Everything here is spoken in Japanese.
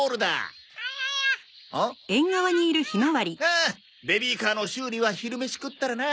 ああベビーカーの修理は昼メシ食ったらな。